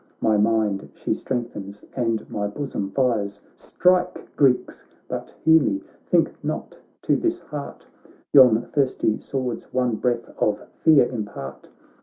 My mind she strengthens, and my bosom fires ; Strike, Greeks ! but hear me ; think not to this heart Yon thirsty swords one breath of fear impart